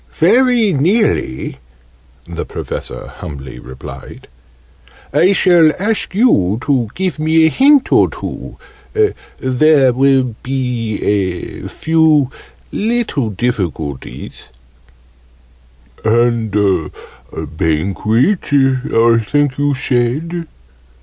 "Very nearly," the Professor humbly replied. "I shall ask you to give me a hint or two there will be a few little difficulties " "And Banquet, I think you said?"